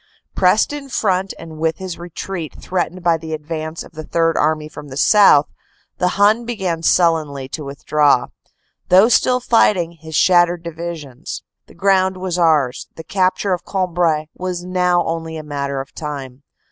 Pressed in front and with his retreat threatened by the advance of the Third Army from the south, the Hun began sullenly to withdraw, though still fighting, his shattered divisions. The ground was ours; the capture of Cambrai was now only a matter of time.